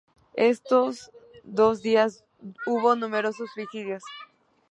En esos dos días hubo numerosos suicidios.